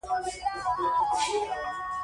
انګرېزانو هغه ته اطمیان ورکړ.